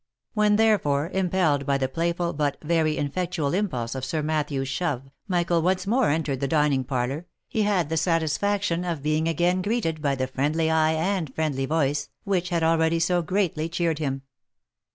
When therefore, impelled by the playful, but very effectual im pulse of Sir Matthew's shove, Michael once more entered the diniug parlour, he had the satisfaction of being again greeted by the friendly eye and friendly voice, whicrf had already so greatly cheered him.